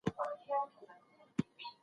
فشار تل منفي نه وي.